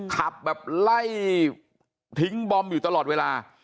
ขับแบบไล่ทิ้งบอมอยู่ตลอดเวลา